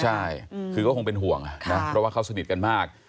ใช่คือก็คงเป็นห่วงนะเพราะว่าเขาสนิทกันมาก